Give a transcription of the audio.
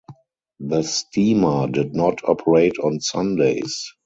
The steamer did not operate on Sundays.